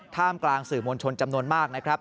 ท่ามกลางสื่อมวลชนจำนวนมากนะครับ